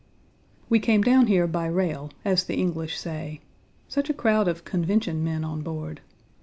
"We" came down here by rail, as the English say. Such a crowd of Convention men on board.